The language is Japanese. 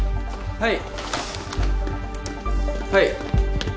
はい。